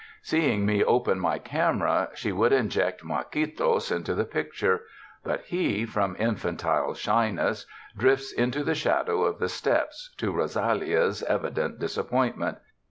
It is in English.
Seeing me open my camera she would inject Marquitos into the picture; but he, from in fantile shyness, drifts into the shadow of the steps, to Rosalia's evident disappointment.